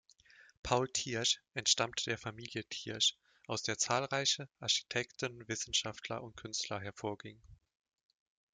Paul Thiersch entstammte der Familie Thiersch, aus der zahlreiche Architekten, Wissenschaftler und Künstler hervorgingen.